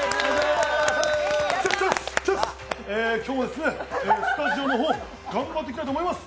今日もですね、スタジオの方頑張っていきたいと思います。